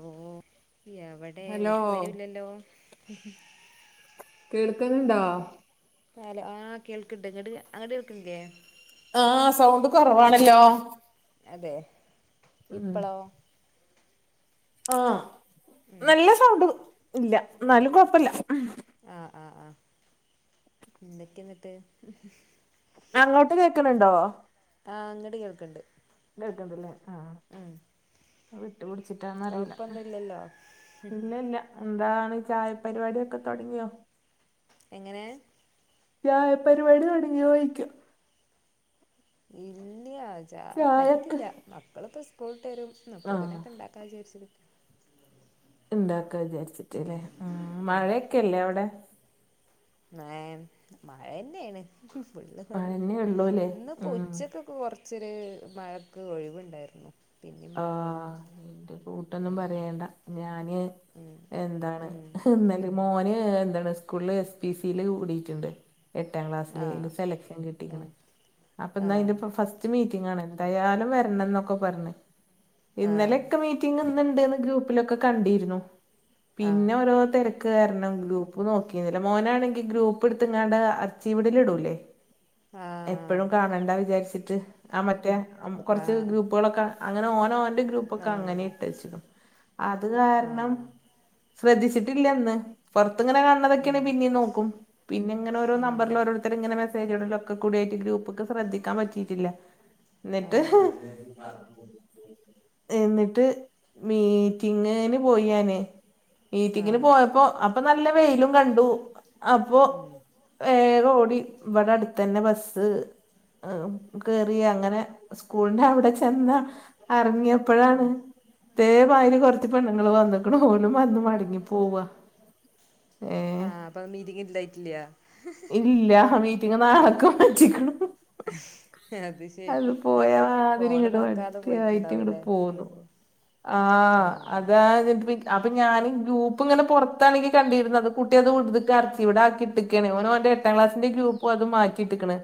ഓ എവിടെ ഹലോ ഒരു വിവരം ഇല്ലല്ലോ കേൾക്കുന്നുണ്ടോ ഹലോ ആഹ് കേൾക്കണ്ട് ഇങ്ങോട്ട് അങ്ങട്ട് കേൾക്കണില്ലേ ആഹ് സൗണ്ട് കോറവാണല്ലോ അതെ ഇപ്പാളോ ആഹ് ഉം നല്ല സൗണ്ട് ഇല്ല എന്നാലും കൊഴപ്പില്ല ആഹ് ആഹ് ആഹ് എന്തൊക്കെയ എന്നിട്ട് അങ്ങോട്ട് കേക്കണണ്ടോ ആഹ് അങ്ങട് കേൾക്കണ്ട് കേൾക്കുന്നുണ്ടല്ല ആഹ് വിട്ടു പിടിച്ചിട്ടാന്ന് ആറിയില്ല കൊഴപ്പൊന്നുല്ലല്ലോ ഇല്ല ഇല്ല എന്താണ് ചായ പരിപാടിയൊക്കെ തോടങ്ങിയോ എങ്ങനെ ചായപരിപാടി തൊടങ്ങിയാേയ്ക്ക ഇല്ല്യ ചായ ചായൊക്കെ ഇണ്ടാക്കിട്ടില്ല മക്കള് ഇപ്പോ സ്കൂള് വിട്ട് വരും ആ അപ്പത്തന്നെ ഒക്ക ഉണ്ടാക്കും [unintelligible] എന്താക്കാന്ന് വിചാരിച്ചിട്ടല്ലേ ഉം മഴയൊക്കെല്ലേ അവിടെ ഏഹ് മഴ തന്നെയാണ് എന്ത് പരിപാടി മഴന്നെ ഉള്ളൂല്ലേ ഇന്ന് ഇപ്പോ ഉം ഉച്ചക്ക് ഇന്ന് കൊറച്ചൊരു മഴക്ക് ഒഴിവുണ്ടായിരുന്നു പിന്നെ മഴ തുടങ്ങി ആഹ് ഇന്റെ കൂട്ടൊന്നും പറയണ്ട ഞാന് എന്താണ് ഉം ഹ് ഇന്നാല മോന് എന്താണ് സ്കൂളില് എസ് പി സില് കൂടിട്ടുണ്ട് എട്ടാം ക്ലാസ്സില് ആഹ് ല് സെലക്ഷൻ ആഹ് കിട്ടിക്ക്ണ് അപ്പന്നാ അയിന്റെ ആഹ് പൊ ഫസ് മീറ്റിംഗ് ആണ് എന്തായാലും വരണം എന്നൊക്കെ പറഞ്ഞ് ഇന്നലെ ആഹ് ഒക്ക മീറ്റിംഗ് ഇന്ന് ഉണ്ടന്ന് ഗ്രൂപ്പിലൊക്കെ കണ്ടിരുന്നു ആഹ് പിന്നെ ഓരോ തെര ക്ക് കാരണം ഗ്രൂപ്പ് നോക്കിന്നില്ല മോനാണെങ്കിൽ ഗ്രൂപ്പ് എടുത്ത് ഇങ്ങാട് അർച്ചീവിൽ ഇടൂലെ എപ്പഴും ആഹ് കാണണ്ട വിചാരിച്ചിട്ട് ആഹ് മറ്റേ ഉം കൊറച്ച് ആഹ് ഗ്രൂപ്പുകളൊക്കെ ഓന് ഓന്റെ ഗ്രൂപ്പ്‌ ഒക്കെ അങ്ങനെ ആഹ് ഇ ച്ചിടും അത് കാരണം ആഹ് ശ്രദ്ധിച്ചിട്ടില്ലന്ന് പുറത്തങ്ങനെ ക അതൊക്കെന്നെ ഉം പിന്നെയും നോക്കും പിന്നിങ്ങാനെ ഓരോ ഉം നമ്പറിൽ ഇവര് ഇങ്ങനെ മെസേജുകളൊക്കെ കൂടി ഗ്രൂപ്പ് ഒക്കെ ശ്രധിക്കാൻ പറ്റിട്ടില്ല ! ആഹ് ! ! ! ! ! ! ! ! ! എന്നിട്ട് മീറ്റിങ്ങിന് പോയി ഞാന് മീറ്റിങ്ങിന് ആഹ് പോയപ്പോ ഇപ്പ നല്ല വെെലും കണ്ടു അപ്പൊ ഉം വേഗം ഓടി ഇവിടെ അടുത്തന്നെ ബസ് കേറിയങ്ങനെ സ്കൂളിന്റെ അവിടെ ചെന്ന് അറിഞ്ഞയപ്പോഴാണ് തേമാതിരി കൊറച്ച് പെണ്ണങ്ങങ്ങള് വന്നുക്കുണു ഓലും വന്ന് മടങ്ങി പോവാ ഏഹ് ആഹ് അപ്പൊ മീറ്റിംഗ് ഇണ്ടായിട്ടില് യാ ഇല്ല മീറ്റിംഗ് നാളേക്ക് മാറ്റികുണു ട്ടത് ശരി മാതിരി ഫോണ് ഇങ്ങോട്ട് നോക്കാതെ പോയ്ട്ട്ണ്ടാവൂലേ ആഹ് അതായത് ഇപക് അപ്പൊ ഞാൻ ഈ ഗ്രൂപ്പ് ഇങ്ങനെ പുറത്താണ് കണ്ടിരുന്നത് കുട്ടി അത് ഉള്ളിക്കാക്കി ഇവിടെ ആക്കിട്ട് ട്ട്ക്കാണ് ഓന് ഓന്റെ എട്ടാം ക്ലാസ്സിന്റെ ഗ്രൂപ്പും അതു മാറ്റി ഇട്ട്ക്ക്ണ്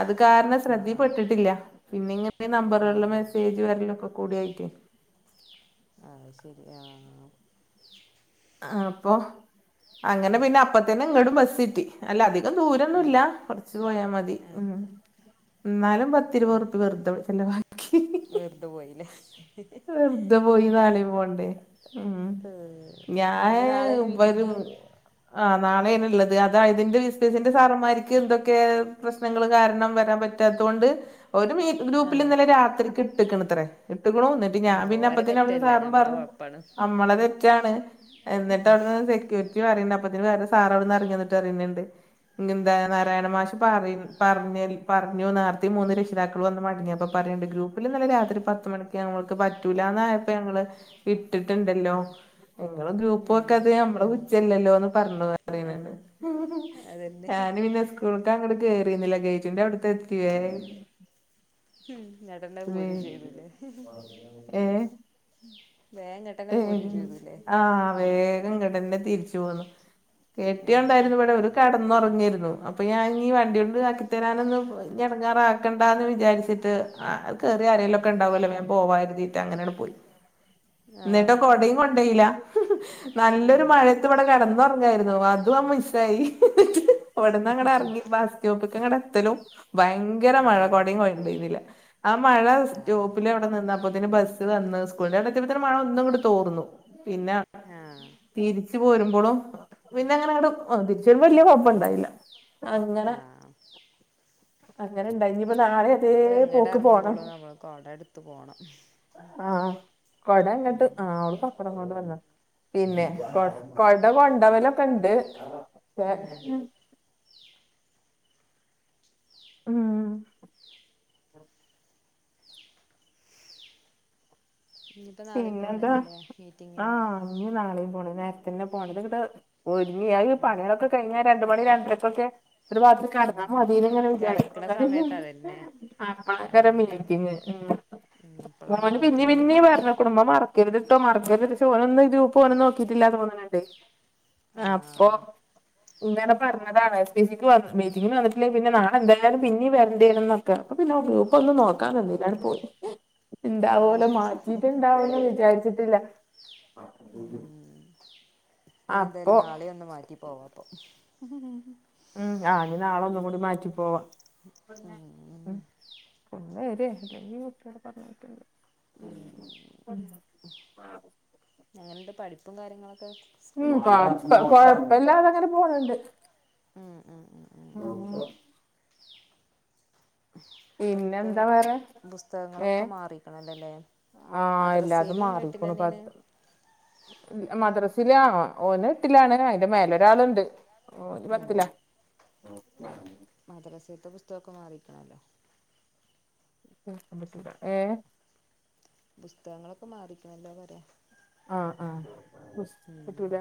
അത് കാരണം ആഹ് ആഹ് ശ്രദ്ധീപ്പെട്ട്ട്ടില്യ പിന്നെ ഇങ്ങനെ നമ്പറേള്ല് ആഹ് മെസ്സേജ് ആ വരലോക്കെ കൂടിയായിട്ട് ആഹ് ശരി ആഹ് അപ്പൊ അങ്ങനെ പിന്നെ അപ്പത്തന്നെ ഇങ്ങടും ബസ്സ്ട്ടി അല്ല അധികം ദൂരൊന്നു ഉം ഇല്ല കുറച്ച് പോയാ മതി ആഹ് ഉം എന്നാലും പ പത്തിരുവത് ഉർപ്യ വെറ്തെ ചെലവായി വെറ്തെ പോയിലേ വെറ്തെ പോയി നാളിംപോണ്ടേ ഉം ഞാൻ ഇഞ്ഞ് നാളേണ് മീറ്റിംഗ് വരും ആഹ് നാളേണ് ഇള്ളത് അതായതിൻ്റെ ബിസ്നസിന്റെ സാറന്മാര്ക്ക് എന്തൊക്കെ പ്രശ് പ്രശനങ്ങൾ കാരണം വരാൻ പറ്റാത്തുകൊണ്ട് ഒരു ഗ്രൂപ്പിൽ ആഹ് ഇന്നലെ രാത്രിക്ക് ഇട്ടക്കണത്രേ ഇട്ട്ക്ക്ണു ന്നിട്ട് ഉം ഞാംപിന്നെ ഓരെ അപ്പതന്നെ അവിട്ന്ന് തെറ്റല്ല സാറും ഞമ്മളെ പറഞ്ഞു കൊഴപ്പാണ് അമ്മളെ തെറ്റാണ് എന്നിട്ട് അവിട്ന്ന് സെക്യൂര് പറണ്ട് അപ്പത്തിന് വേറെ സാറാവിടുന്ന് ഇറങ്ങി വന്നിട്ട് പറയുന്നുണ്ട് എന്താ നാരായണമാ മാഷ് പറയും പറഞ്ഞ പറഞ്ഞു നേർത്തെ മൂന്ന് രക്ഷിതാക്കൾ വന്ന് മടങ്ങ്യപ്പോ അപ്പൊ പറയണ്ട് ഗ്രൂപ്പിൽ ഇന്നലെ രാത്രി പത്ത് മണിക്ക് നമ്മൾ ഇക്ക് പറ്റൂലന്നായപ്പോ ഞങ്ങള് ഇട്ടിട്ടുണ്ടല്ലോ ഇങ്ങള് ഉം ഗ്രൂപ്പാേക്കാത്തത് ഞമ്മളെ കുറ്റല്ലല്ലോന്ന് പർണു ആഹ് [unintelligible] മാമ് അതന്നെ ഹ് ഞങ്ങള്പിന്നെ സ്കൂൾക്കങ്ങട് കേറീന്നില ഗൈറ്റിന്റെ അവ്ട്ക്കെത്തി ഏ ഉ ഇങ്ങടന്നെ പോരും ചെയ്തുല്ലേ വേം ഇങ്ങട്ട് തേങ്ങണം ആഹ് വേഗം ഇങ്ങട്ടന്നെ തിരിച്ചുപോന്നു ഉം കെട്യൊണ്ടായിരുന്നു ഇവിടം ഓരു കടന്നുറങ്ങിരുന്നു അപ്പൊ ഞാൻ ഇനീ വണ്ടിയൊണ്ട് ആക്കി തെരാനൊന്നും ഞ് എടങ്ങാറാക്കണ്ടാന്ന് വിചാരിച്ചിട്ട് ആഹ് കേറിയാആരേലൊക്കെ ഇണ്ടാവൊല്ലോ മേമ് പോവാരുതീട്ടങ്ങനെണ്പോയി ഇന്നിട്ടോ ആഹ് കൊടേം കൊണ്ടോയില്ല നല്ലൊരു ഉം മഴയത്ത് ഇവിടെ കിടന്ന ഒറങ്ങ പുവ്വാരിന്നു അതുംമിസ്സായി ഹ്ഹ്ഹ്ഹ് അവ്ട്ന്നങ്ങടറങ്ങി ബസ് സ്റ്റോപ്പിക്കങ്ങട് എത്തലും ഭയങ്കര ങ്കര മഴ ആഹ് കൊടിം കൊണ്ടേയ്ന്നില ആഹ് മഴ ആഹ് സ്‌റ്റോപ്പിലവടെ നിന്ന അപ്പത്തിന് ബസ് വന്ന് സ്കൂളിന്റെ അവിടെ എത്തിയപ്പത്തിനും മഴ ഒന്നു ഇങ്ങട്ട് തോർന്നു പിന്നെ ആഹ തിരിച്ചു പോരുമ്പോഴും പിന്നെ അങ്ങനെ ഇവടെ തിരിച്ചുവരുമ്പൊ വെല്യ കാെഴപ്പണ്ടായില അങ്ങനെ ആഹ് അങ്ങനെ ഇണ്ടായി ഇഞ്ഞ്പ്പോ നാളെ അതേ ഇപ്പൊ എങ്ങടെ പോക്ക് പോണം ഇറങ്ങുമ്പോളും നമ്മൾ കൊട ഇടുത്ത് പോണം ന്നാഇങ്ങട്ട് ആഹ് അവള് പപ്പടം കൊണ്ട് വന്ന പിന്നെ കൊ കൊട കൊണ്ടവലൊക്കെണ്ട് പേ ഉം ഹ് ഉം ഇനിയിപ്പോൾ നാളെയും പോണല്ലോ അല്ലേ മീറ്റിങ്ങിന് ഇന്നി നാളെയും പോണം ഈ നേരത്തന്നെ പോണം ഒരുങ്ങി അത് ഈ പണിയാളൊക്കെ കഴിഞ്ഞാ രണ്ടു മണി രണ്ടരക്കൊക്കെ ഒരു ഭാഗത്ത് ഉം കെടന്നാ മതിന്നിങ്ങനെ കെടക്കണ വിചാരിക്കും സമയത്ത് അതന്നെ അപ്പളേക്കാരം അതന്നെ മീറ്റിംഗ് ഉം അപ്പളാണ് മോന് പിന്നേ മീറ്റിംഗ് പിന്നേം ഇണ്ടാവ പറഞ്ഞ് ഉമ്മ മറക്കരുത്ട്ടോ മറക്കരുത് പക്ഷേ ഓന് ഒന്നും ഈ ഗ്രൂപ്പ് ഓനും നോക്കിയിട്ടില്ലാന്ന് തേന്നണണ്ട് അപ്പൊ ആഹ് ഇങ്ങനെ പറഞ്ഞ അതാണ് എസ് ബി സിക്ക് മീറ്റിംഗിന് വന്നിട്ടില്ലേ പിന്നെ നാളെ എന്തായാലും പിന്നെ വരേണ്ടി വരുംന്നൊക്കെ അപ്പൊ പിന്നെ അപ്പ ഒന്നും നോക്കാൻ നിന്നില്ല അങ്ങട് പോയി അത് ഇണ്ടാവോലോ ശരി മാറ്റിട്ടുണ്ടാവുന്നു വിചാരിച്ചിട്ടില്ല ഉം ഇനി അപ്പൊ എന്തായാലും നാളെ ഒന്ന് മാറ്റി പോവാ അപ്പൊ [inaudible] ഉം ആഹ് ഇനി നാളൊന്നും കൂടി മാറ്റി പോവാ [unintelligible] എങ്ങനെണ്ട് പഠിപ്പും കാര്യങ്ങളൊക്കെ? ഉം സ്കൂൾത്തെ കൊഴപ്പ കൊഴപ്പല്ലാതങ്ങനെ പോണണ്ട് ആഹ് ആഹ് [inaudible] ഇപ്പതക്കെ പിന്നെന്താ വേറെ പുസ്തകങ്ങളൊക്കെ മാറിക്ക്ണലൊല്ലേ ആഹ് എല്ലാതും മാറിക്ണു പ മദ്രാസില ആ ഓന് എട്ടിലാണ് അയിന്റെ മേലൊരാളുണ്ട്. ഓ ന് പത്ത്ലാ? മദ്രസേത്തെ പുസ്തകൊക്കെ മാറിക്ക്ണല്ലൊ ഏ പുസ്തകങ്ങളൊക്കെ മാറിക്ക്ണല്ലോ പറയ. ആ ആ പറ്റൂല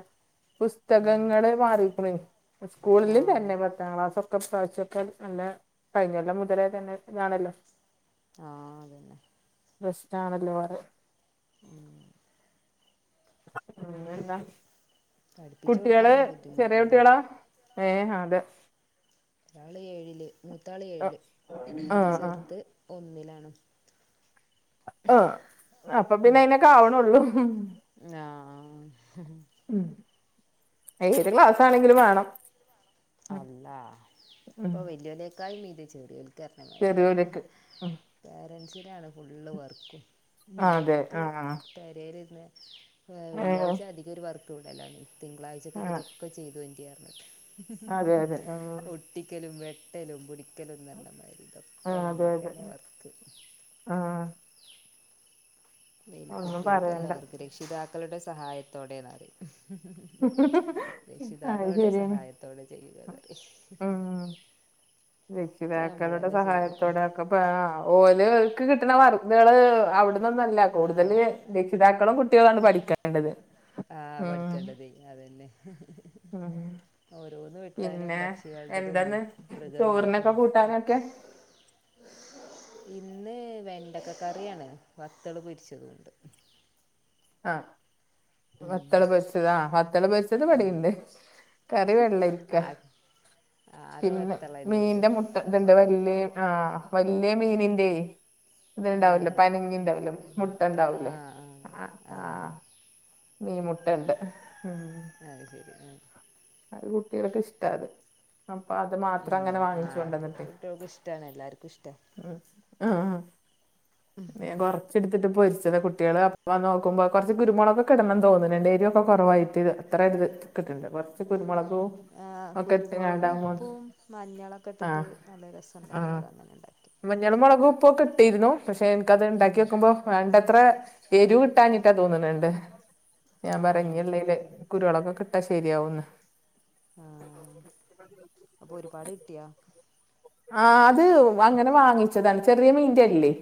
ഉം പുസ്തകങ്ങള് മാറിക്ക് ണെയ് സ്കൂളിൽ ആഹ് തന്നെ. പത്താം ക്ലാസൊക്കെ ഈപ്രാവിശ്യക്കെ നല്ല കഴിഞ്ഞൊല്ലം മുതലേ തന്നെ ഇതാണല്ലോ ആഹ് അതുതന്നെ. പ്രശ്നാണല്ലോ പറയ [inaudible] ഉം പിന്നെന്താ പഠിപ്പിച്ചു കുടട്വള് കൊടുക്കാനും ചെറിയ ബുദ്ധിമുട്ടന്നെ കുട്ടികളാ? ഏഹ് അതെ ഒരാള് ഏഴില് മൂത്താള് ഏഴില് ആ ആ ചെറുത് ഒന്നിലാണ്. ആ അപ്പൊ പിന്നെ അയിനൊക്കെ ആവണൊള്ളൂ ഞാ ഹ ഉം ഏത് ക്ലാസാണെങ്കിലും വേണം അല്ല ഉം ഇപ്പൊ വല്യോലെ [unintelligible] ചെറിയോൽക്ക് പറഞ്ഞ മായിരിക്കാ ചെറിയോലക്ക് ഉം പേരന്സിനാണ് ഫുള്ള് വർക്കും ആഹ് അതെ ഞമ്മക്ക്. ആഹ് പെരേലിരുന്ന് ഏഹ് വെള്ളിയാഴ്ച അധി കൊരു വർക്ക് വിടെലാണ് തിങ്കളാഴ്ചക്ക് ഇത്. ആഹ് ഒക്കെ ചെയ്ത് അതെ അതെ [unintelligible] ആഹ് ഒട്ടിക്കലും വെട്ടലും പുടിക്കലും പറഞ്ഞമാതിരി ഇതൊക്കെ ആഹ് അതെ അതെ ഞമ്മക്കന്നെ വർക്ക്. ആഹ് ഒന്നും കുട്ടികൾക്കല്ല പറയണ്ട വർക്ക് രക്ഷിതാക്കളുടെ സഹായത്തോടെന്നാ പറയാ അത് രക്ഷിതാക്കളുടെ ശരിയാണ് സഹായത്തോടെ ചെയ്യുകന്നറിയും ഉം ഉം ഒക്കേ ഞമ്മളന്നെ ചെയ്യണം. പ്പ ഓല് ക്കുകൾക്ക് കിട്ടുന്ന വർക്കുകള് അവിടുന്നൊന്നല്ല കൂടുതല് ആ രക്ഷിതാക്കളും കുട്ടികളാണ് പഠിക്കേണ്ടത്. ആ ഉം പഠിക്കേണ്ടത് അതന്നെ. ഉം ഓരോന്ന് വെട്ടാനും പിന്നെ പക്ഷികളടതും എന്താന്ന് മൃഗങ്ങളടതും ചോറിനൊക്കെ കൂട്ടാനൊക്കെ ഒക്കെ ഇന്ന് വെണ്ടക്കക്കറിയാണ് വത്തള് പൊരിച്ചതുണ്ട് ആ ഉം. വത്തള് പൊരിച്ചതാ വത്തള് പൊരിച്ചതിവിടിണ്ട് കറി വെള്ളരിക്ക ആകെ ആകെ പിന്നെ വത്തള തന്നെ ഉള്ളൂ മീന്റെ മുട്ട [unintelligible] വല്യ ആഹ് വല്യ മീനിന്റെ ആ ഇത്ണ്ടാവില്ലേ പനഞ്ഞിണ്ടാവലോ മുട്ട പ- ആ ഇണ്ടാവില്ലേ ആ മീ മുട്ടണ്ട് ഉം ആഹ് ശരി ആഹ് അത് കുട്ടികള്ക്ക് ഇഷ്ട അത്. അപ്പൊ അത് മാത്രം ഉം. അങ്ങനെ ആ വാങ്ങിച്ച് കൊണ്ടന്നിട്ടെ. കുട്ടികൾക്ക് ഇഷ്ടമാണ് എല്ലാവർക്കും ഇഷ്ടമാണ് മ് ആ [unintelligible] ചെടുത്തിട്ട് പൊരിച്ചതാ കുട്ടികള് അപ്പം നോക്കുമ്പോ കുറച്ചു കുരുമുളക്കെിടണംന്ന് തോന്നുന്നണ്ട് എരുക്കെ കൊറവായിട്ട് എത്ര ഇത് കിട്ടണ്ട് കുറച്ച് കുരുമുളകും ആഹ് ഒക്കെ കുരുമുളകും, ഇട്ട്ങ്ങാണ്ടാവുമ്പോ ഉപ്പും, മഞ്ഞളൊക്കെ ആ ഇട്ടിട്ട് നല്ല രസം ഉണ്ടാവും ആ അത് അങ്ങനെ ണ്ടാക്കിയാ മഞ്ഞളും, മുളക്, ഉപ്പൊക്കെട്ടിരുന്നു. പക്ഷെ എനിക്കത് ഇണ്ടാക്കി ഉം. നോക്കുമ്പോ വേണ്ടത്ര എരുവ് കിട്ടാഞ്ഞിട്ടാ തോന്നണണ്ട് ഞാൻ ആ പറയഞ്ഞിളില് കുരുമുളകൊക്കെ ഇട്ടാ ശരിയാകുന്ന് ആഹ് അപ്പൊ ഒരുപാട് കിട്ടിയോ ആഹ് അത് അങ്ങനെ വാങ്ങിച്ചതാണ് ചെറിയമീന്റെ അല്ലേയ്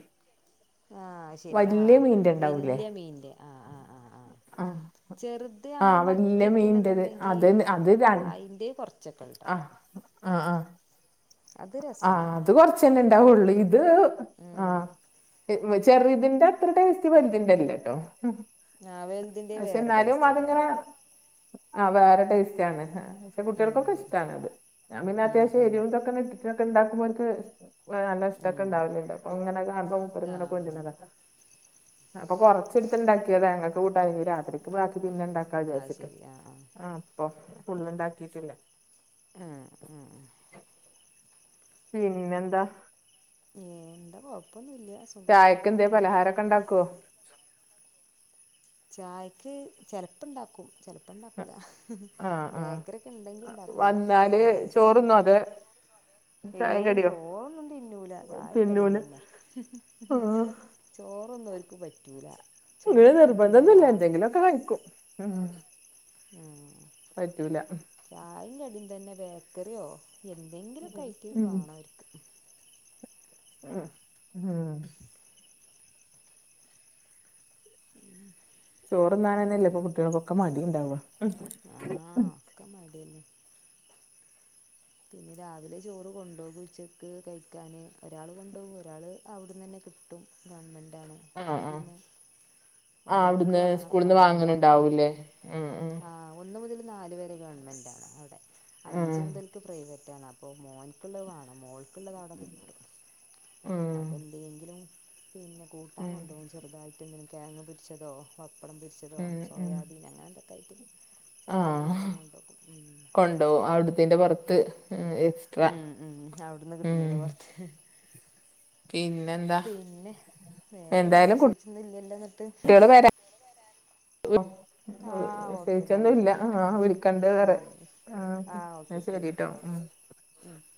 ആഹ് അശെരി ആഹ് മീന്റെ ഉണ്ടാവൂലേ വെല്യെ മീൻ്റെ ആഹഹ് ആഹ് ആഹ് ആഹ് ആ ചെറുത് ആ നമ്മള് വല്യ മീന്റത് മത്തിക്കെണെന്നണ്ടെങ്കി അതിന്റെ കുറ ആഹ് ആഹ് ആഹ് അത് ആഹ് രസാണ് അത് കൊറച്ചന്നെ ഇണ്ടാവൊ ള്ളു ഇത് ഉം ആഹ് ചെറുതിന്റെ അത്ര ടേസ്റ്റ് വല്തിന്റെ ഇല്ലട്ടോ ആഹ് വെല്തിന്റെ വേറെ ടേസ്റ്റക്കാരം ആഹ്‌ വേറെ ടേസ്റ്റാണ് പക്ഷെ ഉം കുട്ടികൾക്കൊക്കെ ഇഷ്ടാണ്ണത് ഞാൻ പിന്നെ ഉം അത്യാവശ്യം ഉം എരിവുതൊക്കെ ഇട്ട് ഉണ്ടാക്കുമ്പോര്ക്ക് നല്ല ഇഷ്ടൊക്കെ ഉം ഉണ്ടാവലണ്ട് അപ്പൊ ഇങ്ങനെെ കാണുമ്പോ മൂപ്പര് ഇങ്ങനെ ആഹ് കൊണ്ട്ര്ന്നതാ അപ്പൊ കൊറച്ചെടത്ത്ണ്ടക്കിയതാ ഞങ്ങൾക്ക് കൂട്ടാൻ ഇനി രാത്രിക്ക് ബാക്കി പിന്നെ ഇണ്ടാ ക്കാ അത് വിചാരിച്ചിട്ട് ശരി ആഹ് അപ്പൊ ഫുള്ള് ഉണ്ടാക്കിട്ടില്ല ഉം ഉം പിന്നെന്താ എന്താ കൊഴപ്പൊന്നുംല്ല സുഖാണ് ചായക്ക് എന്തേ ഇങ്ങനെ പോണ് പലഹാരമൊക്കെ ഉണ്ടാക്കുവോ ചായക്ക് ചിലപ്പുണ്ടാക്കും ചെലപ്പണ്ടാക്കൂല ആ ആ ബേക്കറിയൊക്കെണ്ടെങ്കി ഇണ്ടാക്കൂല വന്നാല് അല്ലെങ്കി പിന്നെ ചോറുന്നോ അത് ചായയും ഏയ് കടിയോ ചോറോന്നും തിന്നൂല ചായും കടിയ തിന്നൂല തന്നെ ആ [unintelligible] ചോറൊന്നും ഓർക്ക് പറ്റൂല ചോറ് പറ്റൂല ന്തന്നല്ല രാവിൽ എന്തെങ്കിലുംക്ക കഴിക്കും ഉം ഉം പറ്റൂല ചായ കടിം തന്നെ ബേക്കറിയോ എന്തെങ്കിലുക്കെ ആയിട്ട് ഉം. വേണം അവർക്ക് [unintelligible] [inaudible] ഉം ചോറുംന്നാണന്നെയല്ല ഇപ്പൊ കുട്ടികൾക്കൊക്കെ മടിണ്ടാവ ആഹ് ഒക്കെ മടിന്നെ പിന്നെ രാവിലെ ചോറ് കൊണ്ടോകും ഉച്ചക്ക് കഴിക്കാൻ ഒരാൾ കൊണ്ടോകും ഒരാൾ അവിടുന്നന്നെ കിട്ടും ഗവൺമെന്റൊണ് ആ അപ്പൊ ആ പിന്നെ ആ ഒരാൾക്ക് അവിടുന്ന് വാണം സ്കൂളിൽ നിന്ന് രാവിലെന്നെ വാങ്ങണുണ്ടാവൂലേ ഉം ഉം ആഹ് ഒന്ന് മുതൽ നാല് വരെ ഗവൺമെന്റാണ് അവിടെ ഉം അഞ്ച് മുതൽ റ്റാണ് അപ്പോൾ മോനക്കുള്ളത് വാണം മോൾക്കുള്ളത് അവിടെ കിട്ടും ഉം അപ്പ എന്തെങ്കിലും പിന്നെ കൂട്ടാൻ ഉം കൊണ്ടോവും ചെറുതായിട്ട് എന്തെങ്കിലും കേങ്ങ് പൊരിച്ചതോ പപ്പടം പൊരിച്ച തോ ഉം ഉം സോയാബീൻ അങ്ങനെ എന്തൊക്കൊയിട്ടും ചെറിയരു കൂട്ടാൻ കൊണ്ടോക്കും ഓ അവിടത്തിന്റെ പുറത്ത് എക്സ്ട്രാ ഉം ഉം അവിടുന്ന് ഉം കിട്ടുന്നതിന് പുറത്ത് പിന്നെ എന്താ പിന്നെ വേറെന്താ എന്തായാലും വിശേഷിച്ചൊന്നും ഇല്ലല്ലോ എന്നിട്ട് കുട്ടികള് വരാ ആഹ് ഓക്കെ പ്രത്യേകിച്ചൊന്നും എന്നാല് ഇല്ല ആഹ് വിളിക്കണ്ട വെറെ ഉം ആഹ് എന്ന ശരി കേട്ടോ ഉം ഉം